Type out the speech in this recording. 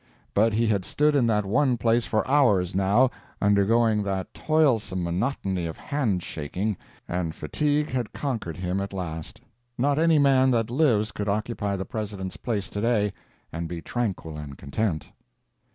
But he had stood in that one place for hours now, undergoing that toil some monotony of hand shaking, and fatigue had conquered him at last. Not any man that lives could occupy the President's place to day, and be tranquil and content.